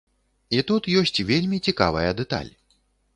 І тут ёсць вельмі цікавая дэталь.